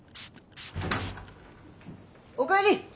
おかえり！